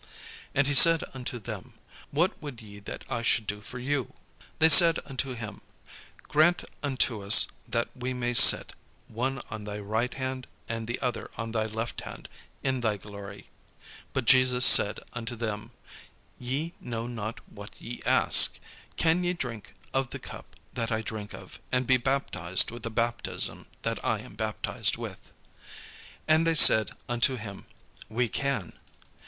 And he said unto them, "What would ye that I should do for you?" They said unto him, "Grant unto us that we may sit, one on thy right hand, and the other on thy left hand, in thy glory." But Jesus said unto them, "Ye know not what ye ask; can ye drink of the cup that I drink of, and be baptized with the baptism that I am baptized with?" And they said unto him, "We can."